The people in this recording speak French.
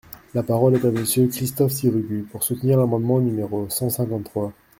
La parole est à Monsieur Christophe Sirugue, pour soutenir l’amendement numéro cent cinquante-trois.